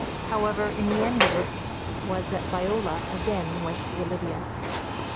However, the end of it was that Viola again went to Olivia.